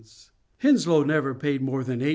Henslowe never paid more than ^8.